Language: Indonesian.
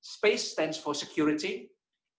space berarti keamanan